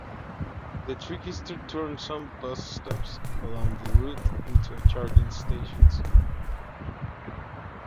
The trick is to turn some bus stops along the route into charging stations.